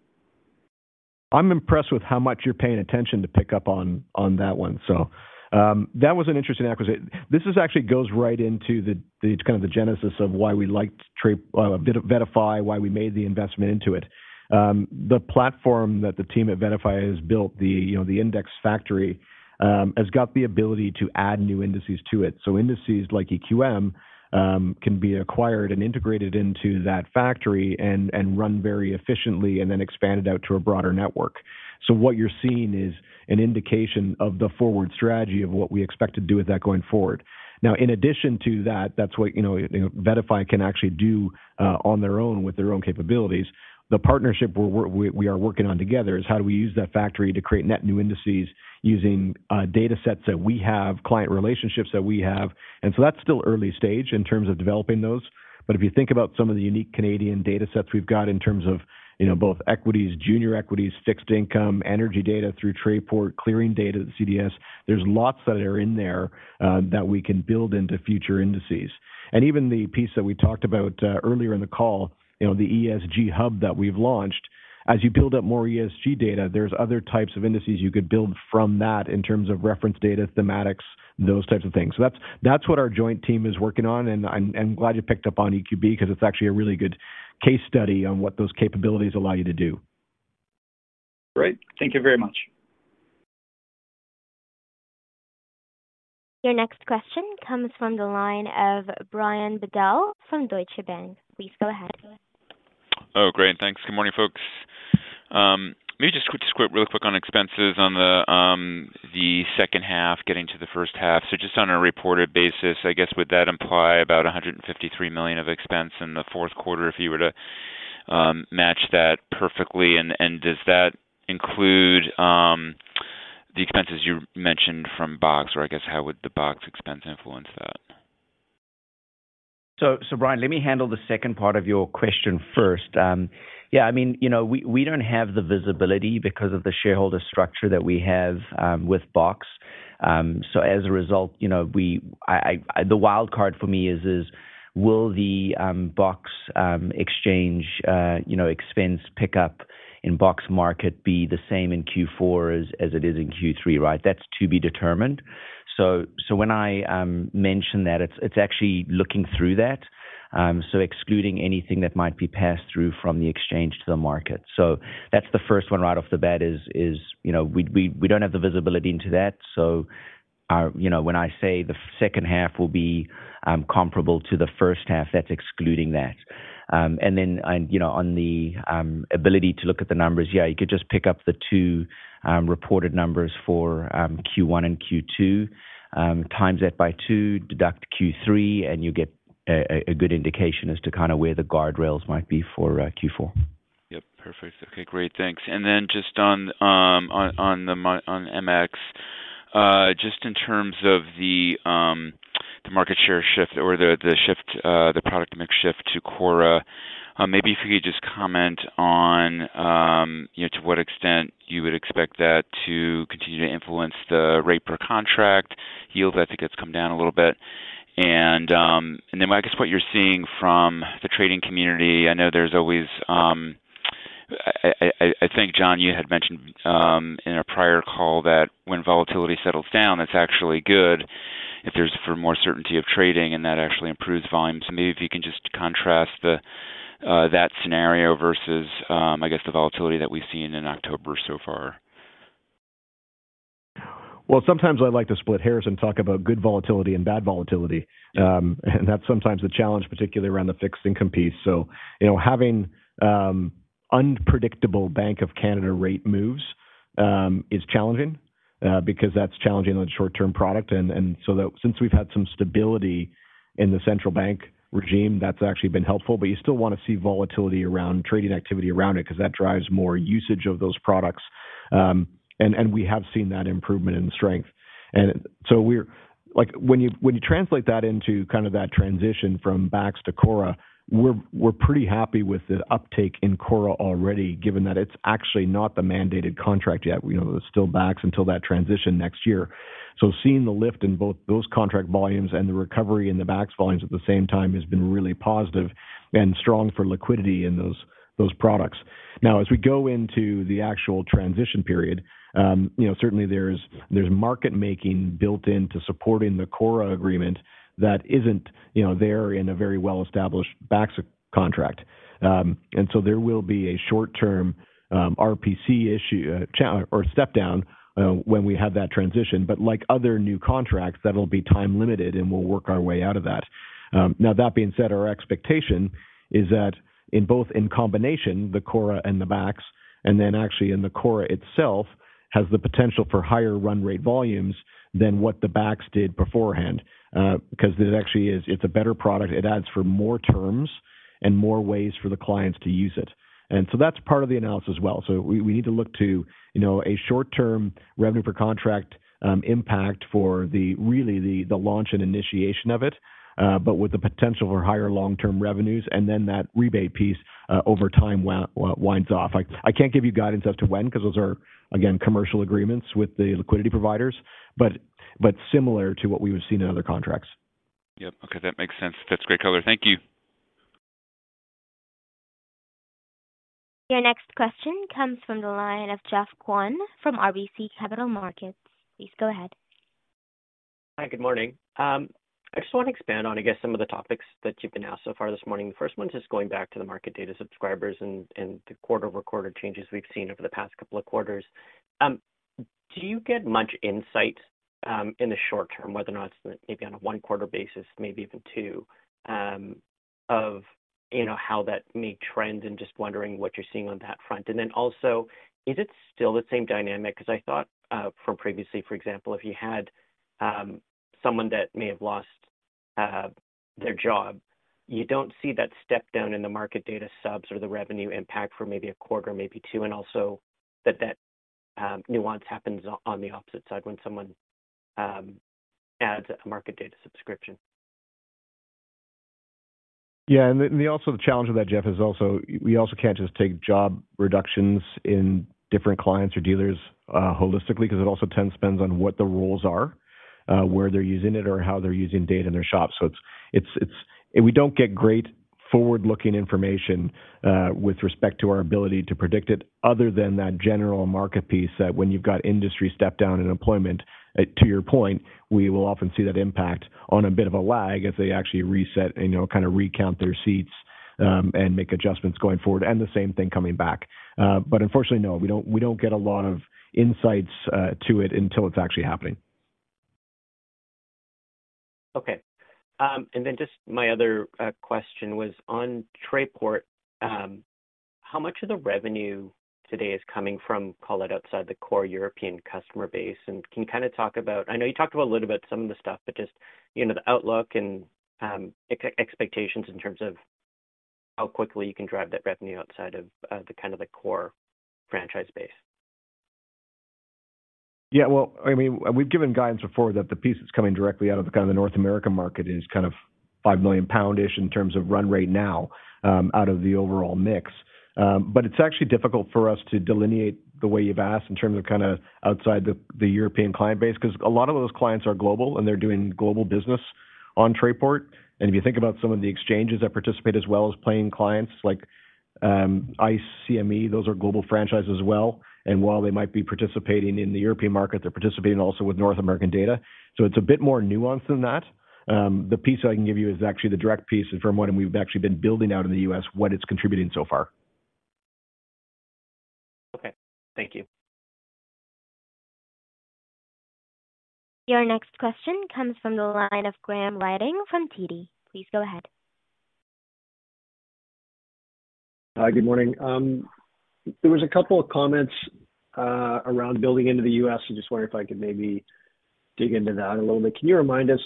I'm impressed with how much you're paying attention to pick up on, on that one. So, that was an interesting acquisition. This is actually goes right into the, the kind of the genesis of why we liked Trade, VettaFi, why we made the investment into it. The platform that the team at VettaFi has built, the, you know, the index factory, has got the ability to add new indices to it. So indices like EQM, can be acquired and integrated into that factory and, and run very efficiently, and then expanded out to a broader network. So what you're seeing is an indication of the forward strategy of what we expect to do with that going forward. Now, in addition to that, that's what, you know, VettaFi can actually do, on their own with their own capabilities. The partnership we are working on together is how do we use that factory to create net new indices using datasets that we have, client relationships that we have? And so that's still early stage in terms of developing those. But if you think about some of the unique Canadian datasets we've got in terms of, you know, both equities, junior equities, fixed income, energy data through Trayport, clearing data, the CDS, there's lots that are in there that we can build into future indices. And even the piece that we talked about earlier in the call, you know, the ESG hub that we've launched, as you build up more ESG data, there's other types of indices you could build from that in terms of reference data, thematics, those types of things. So that's what our joint team is working on, and I'm glad you picked up on EQB, because it's actually a really good case study on what those capabilities allow you to do. Great. Thank you very much. Your next question comes from the line of Brian Bedell from Deutsche Bank. Please go ahead. Oh, great, thanks. Good morning, folks. Let me just quick, just real quick on expenses on the second half, getting to the first half. So just on a reported basis, I guess, would that imply about 153 million of expense in the fourth quarter if you were to match that perfectly? And does that include the expenses you mentioned from BOX? Or I guess, how would the BOX expense influence that? So, Brian, let me handle the second part of your question first. Yeah, I mean, you know, we don't have the visibility because of the shareholder structure that we have with BOX. So as a result, you know, the wild card for me is will the BOX exchange expense pickup in BOX market be the same in Q4 as it is in Q3, right? That's to be determined. So when I mention that, it's actually looking through that. So excluding anything that might be passed through from the exchange to the market. So that's the first one right off the bat, you know, we don't have the visibility into that. So, you know, when I say the second half will be comparable to the first half, that's excluding that. And then, you know, on the ability to look at the numbers, yeah, you could just pick up the two reported numbers for Q1 and Q2, times that by two, deduct Q3, and you get a good indication as to kind of where the guardrails might be for Q4. Yep. Perfect. Okay, great. Thanks. And then just on MX, just in terms of the market share shift or the shift, the product mix shift to CORRA, maybe if you could just comment on, you know, to what extent you would expect that to continue to influence the rate per contract. Yield, I think, has come down a little bit. And then I guess what you're seeing from the trading community, I know there's always, I think, John, you had mentioned in a prior call that when volatility settles down, that's actually good if there's for more certainty of trading, and that actually improves volume. So maybe if you can just contrast that scenario versus the volatility that we've seen in October so far. Well, sometimes I like to split hairs and talk about good volatility and bad volatility. And that's sometimes the challenge, particularly around the fixed income piece. So, you know, having unpredictable Bank of Canada rate moves is challenging, because that's challenging on the short-term product. And so that since we've had some stability in the central bank regime, that's actually been helpful. But you still want to see volatility around trading activity around it, because that drives more usage of those products. And we have seen that improvement in strength. And so we're like, when you translate that into kind of that transition from BAX to CORRA, we're pretty happy with the uptake in CORRA already, given that it's actually not the mandated contract yet. You know, it's still BAX until that transition next year. So seeing the lift in both those contract volumes and the recovery in the BAX volumes at the same time has been really positive and strong for liquidity in those, those products. Now, as we go into the actual transition period, you know, certainly there's, there's market making built in to supporting the CORRA agreement that isn't, you know, there in a very well-established BAX contract. And so there will be a short-term RPC issue, or step down, when we have that transition. But like other new contracts, that'll be time limited, and we'll work our way out of that. Now, that being said, our expectation is that in both in combination, the CORRA and the BAX, and then actually in the CORRA itself, has the potential for higher run rate volumes than what the BAX did beforehand. Because it actually is, it's a better product. It adds for more terms and more ways for the clients to use it. And so that's part of the analysis as well. So we need to look to, you know, a short-term revenue per contract impact for the really the launch and initiation of it, but with the potential for higher long-term revenues, and then that rebate piece over time winds off. I can't give you guidance as to when, because those are, again, commercial agreements with the liquidity providers, but similar to what we've seen in other contracts. Yep. Okay, that makes sense. That's great color. Thank you. Your next question comes from the line of Geoff Kwan from RBC Capital Markets. Please go ahead. Hi, good morning. I just want to expand on, I guess, some of the topics that you've been asked so far this morning. The first one is just going back to the market data subscribers and the quarter-over-quarter changes we've seen over the past couple of quarters. Do you get much insight in the short term, whether or not it's maybe on a one-quarter basis, maybe even two, of, you know, how that may trend and just wondering what you're seeing on that front? And then also, is it still the same dynamic? Because I thought, from previously, for example, if you had someone that may have lost their job, you don't see that step down in the market data subs or the revenue impact for maybe a quarter or maybe two, and also that nuance happens on the opposite side when someone adds a market data subscription. Yeah, and the, also the challenge with that, Jeff, is also, we also can't just take job reductions in different clients or dealers, holistically, because it also tends, depends on what the rules are, where they're using it or how they're using data in their shops. So it's, it's, and we don't get great forward-looking information, with respect to our ability to predict it, other than that general market piece, that when you've got industry step down in employment, to your point, we will often see that impact on a bit of a lag as they actually reset, you know, kind of recount their seats, and make adjustments going forward, and the same thing coming back. But unfortunately, no, we don't, we don't get a lot of insights, to it until it's actually happening. Okay. And then just my other question was on Trayport. How much of the revenue today is coming from, call it, outside the core European customer base? And can you kind of talk about... I know you talked about a little about some of the stuff, but just, you know, the outlook and, expectations in terms of how quickly you can drive that revenue outside of, the kind of the core franchise base. Yeah, well, I mean, we've given guidance before that the piece that's coming directly out of the kind of North American market is kind of 5 million pound-ish in terms of run rate now, out of the overall mix. But it's actually difficult for us to delineate the way you've asked in terms of kind of outside the, the European client base, because a lot of those clients are global, and they're doing global business on Trayport. And if you think about some of the exchanges that participate, as well as playing clients like, ICE, CME, those are global franchises as well. And while they might be participating in the European market, they're participating also with North American data. So it's a bit more nuanced than that. The piece I can give you is actually the direct piece from what we've actually been building out in the U.S., what it's contributing so far. Okay, thank you. Your next question comes from the line of Graham Ryding from TD. Please go ahead. Hi, good morning. There was a couple of comments around building into the U.S. I just wonder if I could maybe dig into that a little bit. Can you remind us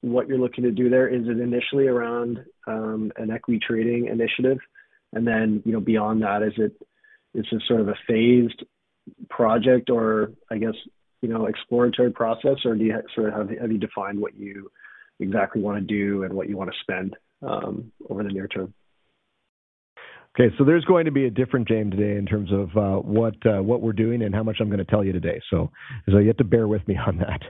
what you're looking to do there? Is it initially around an equity trading initiative? And then, you know, beyond that, is it, is this sort of a phased project or, I guess, you know, exploratory process, or do you sort of—have you, have you defined what you exactly want to do and what you want to spend over the near term? Okay, so there's going to be a different game today in terms of, what, what we're doing and how much I'm going to tell you today. So, so you have to bear with me on that.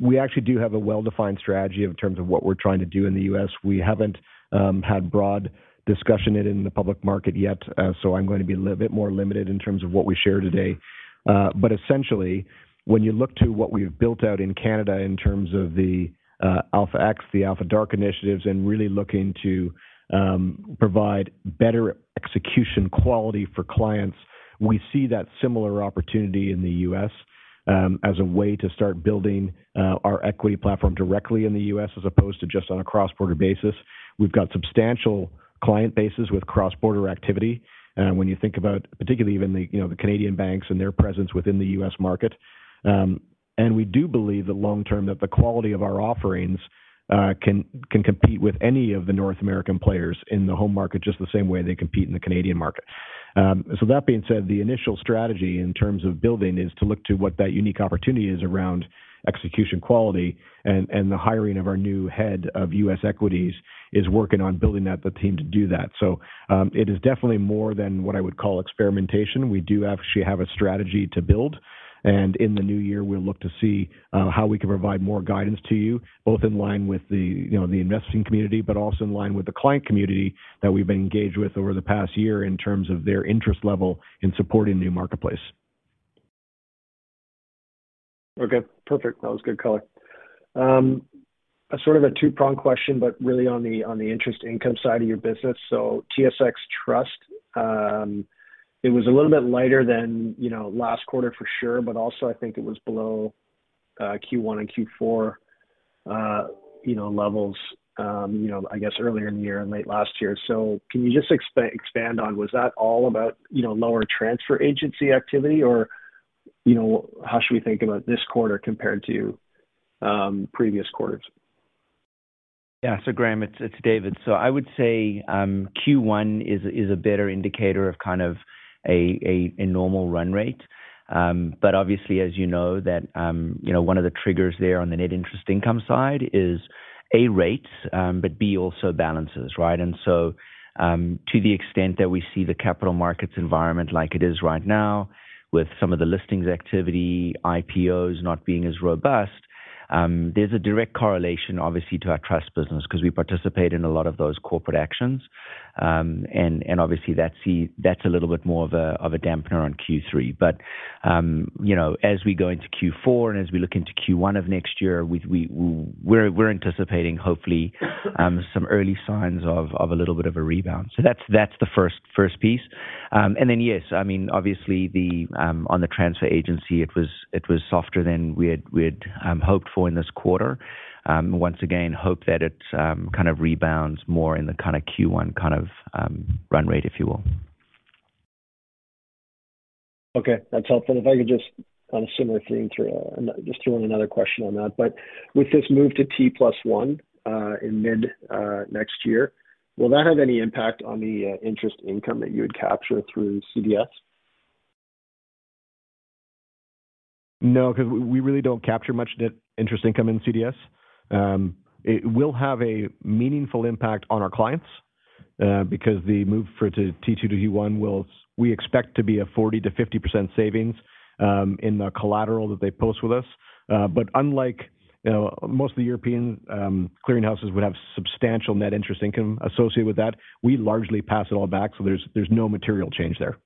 We actually do have a well-defined strategy in terms of what we're trying to do in the U.S. We haven't had broad discussion in, in the public market yet, so I'm going to be a little bit more limited in terms of what we share today. But essentially, when you look to what we've built out in Canada in terms of the Alpha X, the Alpha DRK initiatives, and really looking to provide better execution quality for clients, we see that similar opportunity in the U.S., as a way to start building our equity platform directly in the U.S., as opposed to just on a cross-border basis. We've got substantial client bases with cross-border activity. When you think about, particularly even the you know, the Canadian banks and their presence within the U.S. market, and we do believe that long term, that the quality of our offerings can compete with any of the North American players in the home market, just the same way they compete in the Canadian market. So that being said, the initial strategy in terms of building is to look to what that unique opportunity is around execution quality, and the hiring of our new head of U.S. Equities is working on building out the team to do that. So, it is definitely more than what I would call experimentation. We do actually have a strategy to build, and in the new year, we'll look to see how we can provide more guidance to you, both in line with the, you know, the investing community, but also in line with the client community that we've been engaged with over the past year in terms of their interest level in supporting the new marketplace. Okay, perfect. That was good color. A sort of a two-prong question, but really on the, on the interest income side of your business. So TSX Trust, it was a little bit lighter than, you know, last quarter for sure, but also I think it was below, Q1 and Q4, you know, levels, you know, I guess earlier in the year and late last year. So can you just expand on, was that all about, you know, lower transfer agency activity, or, you know, how should we think about this quarter compared to, previous quarters? Yeah. So, Graham, it's David. So I would say, Q1 is a better indicator of kind of a normal run rate. But obviously, as you know, you know, one of the triggers there on the net interest income side is, A, rates, but B also balances, right? And so, to the extent that we see the capital markets environment like it is right now, with some of the listings activity, IPOs not being as robust. There's a direct correlation, obviously, to our trust business, 'cause we participate in a lot of those corporate actions. And obviously, that's a little bit more of a dampener on Q3. But, you know, as we go into Q4 and as we look into Q1 of next year, we're anticipating hopefully some early signs of a little bit of a rebound. So that's the first piece. And then, yes, I mean, obviously, on the transfer agency, it was softer than we had hoped for in this quarter. Once again, hope that it kind of rebounds more in the kind of Q1 kind of run rate, if you will. Okay, that's helpful. If I could just, on a similar theme, throw in another question on that. But with this move to T+1 in mid next year, will that have any impact on the interest income that you would capture through CDS? No, because we really don't capture much net interest income in CDS. It will have a meaningful impact on our clients, because the move for it to T+2 to T+1 we expect to be a 40%-50% savings in the collateral that they post with us. But unlike, you know, most of the European clearinghouses would have substantial net interest income associated with that, we largely pass it all back, so there's no material change there.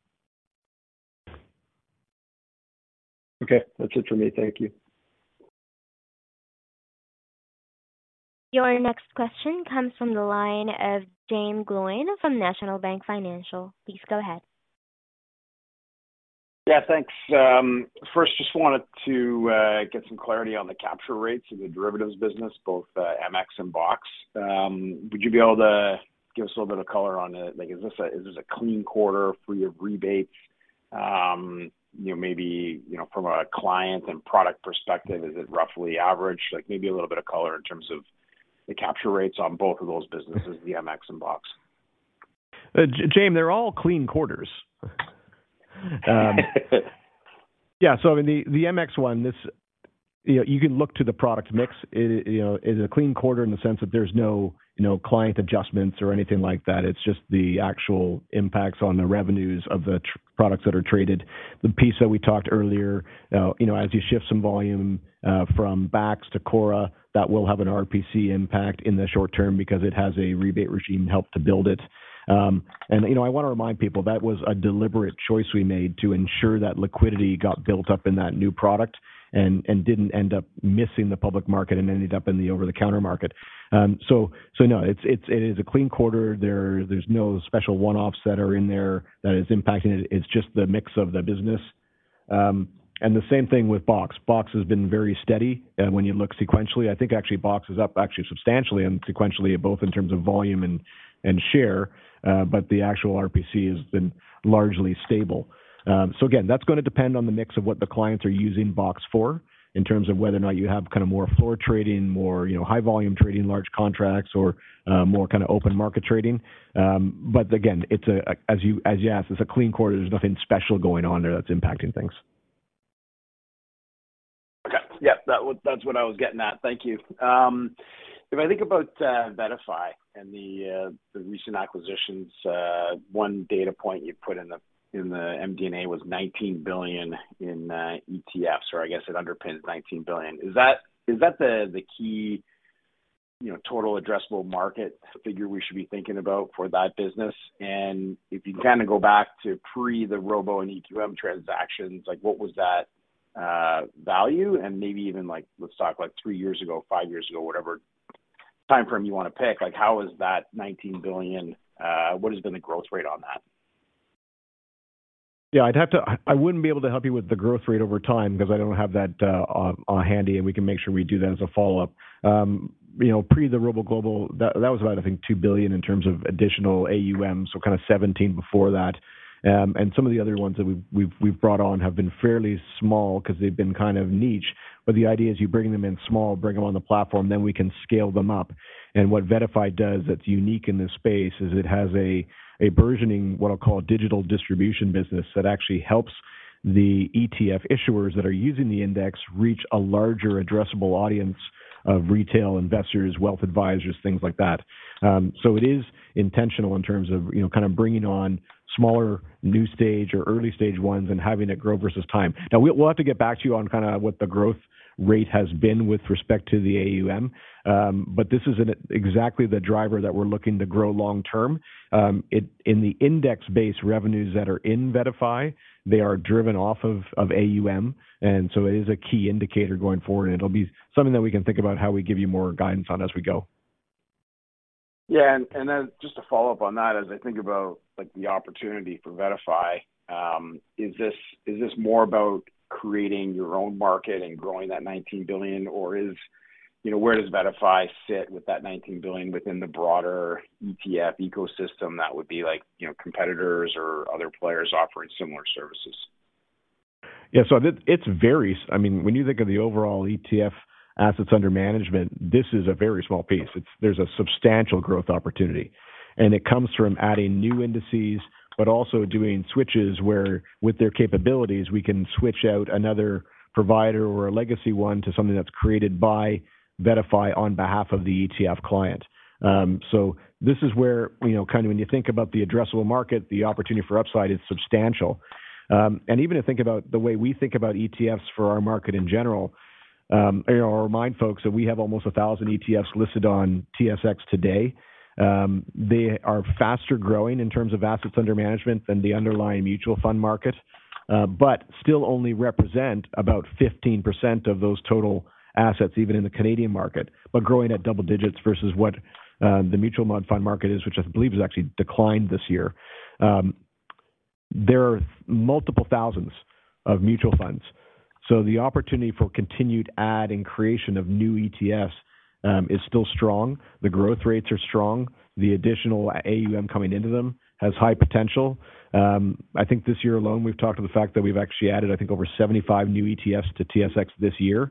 Okay. That's it for me. Thank you. Your next question comes from the line of Jaeme Gloyn from National Bank Financial. Please go ahead. Yeah, thanks. First, just wanted to get some clarity on the capture rates of the derivatives business, both MX and BOX. Would you be able to give us a little bit of color on it? Like, is this a clean quarter free of rebates? You know, maybe from a client and product perspective, is it roughly average? Like, maybe a little bit of color in terms of the capture rates on both of those businesses, the MX and BOX. Jaeme, they're all clean quarters. Yeah, so I mean, the, the MX one, this, you know, you can look to the product mix. It, you know, it's a clean quarter in the sense that there's no, you know, client adjustments or anything like that. It's just the actual impacts on the revenues of the products that are traded. The piece that we talked earlier, you know, as you shift some volume, from BACS to CORRA, that will have an RPC impact in the short term because it has a rebate regime helped to build it. And, you know, I want to remind people, that was a deliberate choice we made to ensure that liquidity got built up in that new product and, and didn't end up missing the public market and ended up in the over-the-counter market. So, so no, it's, it's, it is a clean quarter. There's no special one-offs that are in there that is impacting it. It's just the mix of the business. And the same thing with BOX. BOX has been very steady. And when you look sequentially, I think actually BOX is up actually substantially and sequentially, both in terms of volume and, and share, but the actual RPC has been largely stable. So again, that's gonna depend on the mix of what the clients are using BOX for, in terms of whether or not you have kind of more floor trading, more, you know, high volume trading, large contracts, or, more kind of open market trading. But again, as you, as you asked, it's a clean quarter. There's nothing special going on there that's impacting things. Okay. Yep, that was - that's what I was getting at. Thank you. If I think about VettaFi and the recent acquisitions, one data point you put in the MD&A was $19 billion in ETFs, or I guess it underpins $19 billion. Is that the key, you know, total addressable market figure we should be thinking about for that business? And if you kind of go back to pre the Robo and EQM transactions, like, what was that value? And maybe even, like, let's talk, like, three years ago, five years ago, whatever time frame you want to pick, like, how is that $19 billion, what has been the growth rate on that? Yeah, I'd have to. I wouldn't be able to help you with the growth rate over time because I don't have that on handy, and we can make sure we do that as a follow-up. You know, pre the ROBO Global, that was about, I think, $2 billion in terms of additional AUM, so kind of $17 billion before that. And some of the other ones that we've brought on have been fairly small because they've been kind of niche. But the idea is you bring them in small, bring them on the platform, then we can scale them up. What VettaFi does that's unique in this space is it has a versioning, what I'll call digital distribution business, that actually helps the ETF issuers that are using the index reach a larger addressable audience of retail investors, wealth advisors, things like that. So it is intentional in terms of, you know, kind of bringing on smaller new stage or early stage ones and having it grow versus time. Now, we'll have to get back to you on kind of what the growth rate has been with respect to the AUM, but this is exactly the driver that we're looking to grow long term. In the index-based revenues that are in VettaFi, they are driven off of AUM, and so it is a key indicator going forward, and it'll be something that we can think about how we give you more guidance on as we go. Yeah, and then just to follow up on that, as I think about, like, the opportunity for VettaFi, is this more about creating your own market and growing that $19 billion? Or, you know, where does VettaFi sit with that $19 billion within the broader ETF ecosystem that would be like, you know, competitors or other players offering similar services? Yeah, so it, it's very—I mean, when you think of the overall ETF assets under management, this is a very small piece. It's—there's a substantial growth opportunity, and it comes from adding new indices, but also doing switches where with their capabilities, we can switch out another provider or a legacy one to something that's created by VettaFi on behalf of the ETF client. So this is where, you know, kind of when you think about the addressable market, the opportunity for upside is substantial. And even to think about the way we think about ETFs for our market in general, you know, I'll remind folks that we have almost 1,000 ETFs listed on TSX today. They are faster growing in terms of assets under management than the underlying mutual fund market, but still only represent about 15% of those total assets, even in the Canadian market. But growing at double digits versus the mutual fund market is, which I believe has actually declined this year. There are multiple thousands of mutual funds, so the opportunity for continued addition and creation of new ETFs is still strong. The growth rates are strong. The additional AUM coming into them has high potential. I think this year alone, we've talked to the fact that we've actually added, I think, over 75 new ETFs to TSX this year.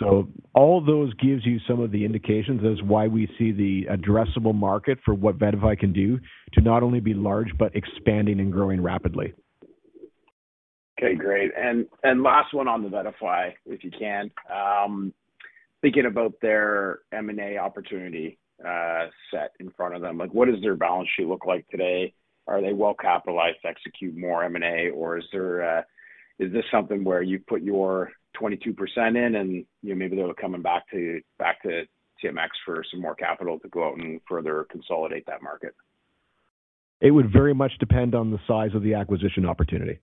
So all those gives you some of the indications as why we see the addressable market for what VettaFi can do to not only be large, but expanding and growing rapidly. Okay, great. Last one on the VettaFi, if you can. Thinking about their M&A opportunity set in front of them, like, what does their balance sheet look like today? Are they well-capitalized to execute more M&A, or is there—Is this something where you put your 22% in and, you know, maybe they're coming back to, back to TMX for some more capital to go out and further consolidate that market? It would very much depend on the size of the acquisition opportunity.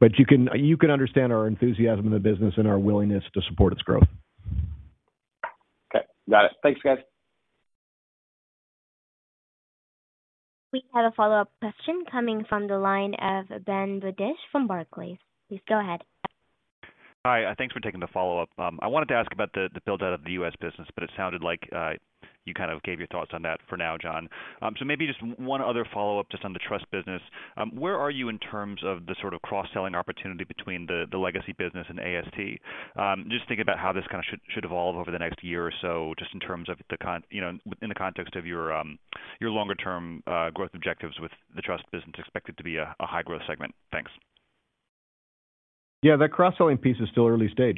But you can, you can understand our enthusiasm in the business and our willingness to support its growth. Okay, got it. Thanks, guys. We have a follow-up question coming from the line of Ben Budish from Barclays. Please go ahead. Hi, thanks for taking the follow-up. I wanted to ask about the, the build-out of the U.S. business, but it sounded like you kind of gave your thoughts on that for now, John. So maybe just one other follow-up, just on the trust business. Where are you in terms of the sort of cross-selling opportunity between the, the legacy business and AST? Just thinking about how this kind of should, should evolve over the next year or so, just in terms of the you know, in the context of your your longer-term growth objectives with the trust business expected to be a, a high-growth segment. Thanks. Yeah, that cross-selling piece is still early stage.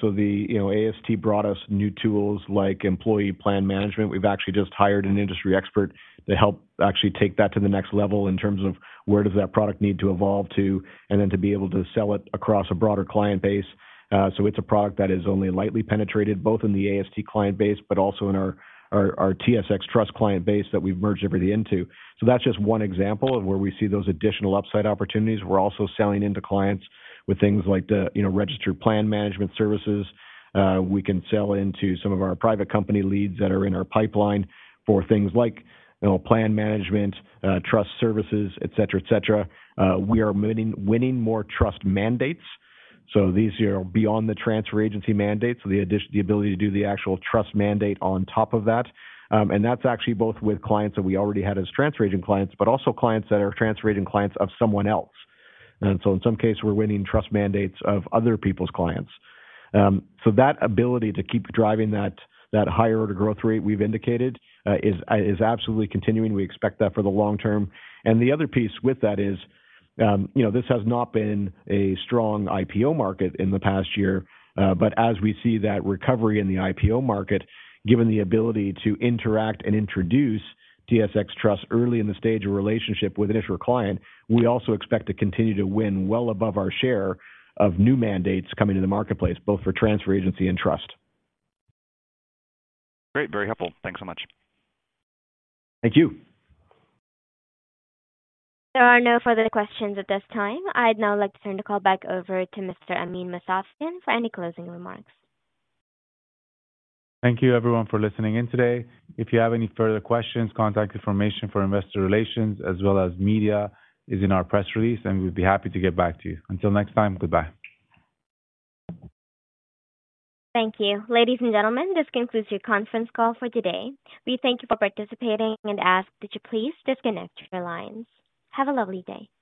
So, you know, AST brought us new tools like employee plan management. We've actually just hired an industry expert to help actually take that to the next level in terms of where does that product need to evolve to, and then to be able to sell it across a broader client base. So it's a product that is only lightly penetrated, both in the AST client base but also in our TSX Trust client base that we've merged everything into. So that's just one example of where we see those additional upside opportunities. We're also selling into clients with things like, you know, registered plan management services. We can sell into some of our private company leads that are in our pipeline for things like, you know, plan management, trust services, et cetera, et cetera. We are winning more trust mandates. So these are beyond the transfer agency mandates, so the addition, the ability to do the actual trust mandate on top of that. And that's actually both with clients that we already had as transfer agent clients, but also clients that are transfer agent clients of someone else. And so in some cases, we're winning trust mandates of other people's clients. So that ability to keep driving that higher order growth rate we've indicated is absolutely continuing. We expect that for the long term. The other piece with that is, you know, this has not been a strong IPO market in the past year, but as we see that recovery in the IPO market, given the ability to interact and introduce TSX Trust early in the stage of relationship with initial client, we also expect to continue to win well above our share of new mandates coming to the marketplace, both for transfer agency and trust. Great. Very helpful. Thanks so much. Thank you. There are no further questions at this time. I'd now like to turn the call back over to Mr. Amin Mousavian for any closing remarks. Thank you, everyone, for listening in today. If you have any further questions, contact information for investor relations as well as media is in our press release, and we'd be happy to get back to you. Until next time, goodbye. Thank you. Ladies and gentlemen, this concludes your conference call for today. We thank you for participating and ask that you please disconnect your lines. Have a lovely day.